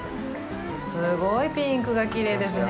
すごいピンクがきれいですね。